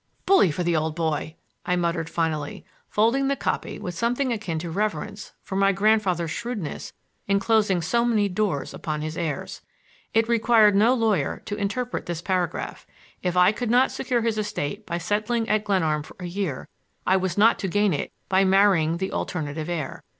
"Bully for the old boy!" I muttered finally, folding the copy with something akin to reverence for my grandfather's shrewdness in closing so many doors upon his heirs. It required no lawyer to interpret this paragraph. If I could not secure his estate by settling at Glenarm for a year I was not to gain it by marrying the alternative heir.